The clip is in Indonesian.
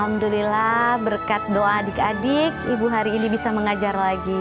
alhamdulillah berkat doa adik adik ibu hari ini bisa mengajar lagi